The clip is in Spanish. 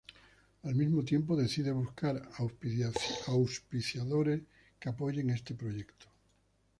Al mismo tiempo, decide buscar auspiciadores que apoyen este proyecto.